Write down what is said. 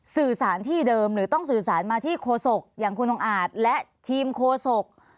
สื่อสารที่เดิมหรือต้องสื่อสารมาที่โคศกอย่างคุณองค์อาจและทีมโคศก